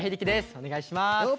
お願いします。